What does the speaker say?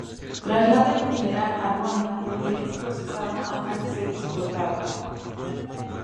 Traslada el mineral a Ruanda donde es procesado antes de ser exportado.